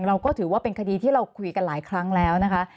เราก็ถือว่าเป็นคดีที่เราคุยกันหลายครั้งแล้วนะคะ